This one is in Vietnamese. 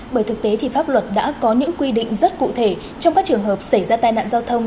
bởi thực tế thì pháp luật đã có những quy định rất cụ thể trong các trường hợp xảy ra tai nạn giao thông